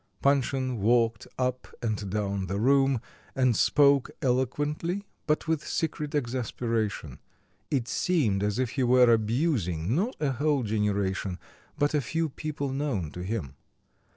Panshin walked up and down the room, and spoke eloquently, but with secret exasperation. It seemed as if he were abusing not a whole generation but a few people known to him.